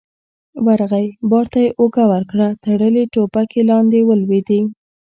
ورغی، بار ته يې اوږه ورکړه، تړلې ټوپکې لاندې ولوېدې.